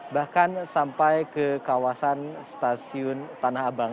bahkan sampai ke kawasan stasiun tanah abang